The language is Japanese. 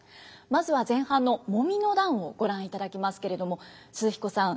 まずは前半の「揉の段」をご覧いただきますけれども寿々彦さん